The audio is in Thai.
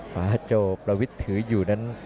ฟ้าโจประวิทย์ถืออยู่นั้น